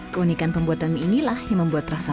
keunikan pembuatan mie inilah yang membuat rasa